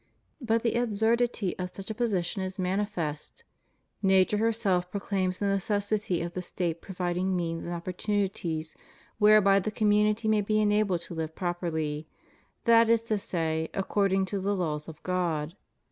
But the absurdity of such a position is manifest. Nature herself proclaims the necessity of the State provid ing means and opportunities whereby the community may be enabled to live properly, that is to say, according to the laws of God.